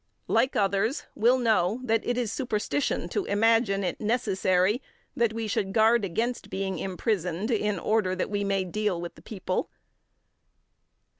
like others, will know that it is superstition to imagine it necessary that we should guard against being imprisoned in order that we may deal with the people; 15.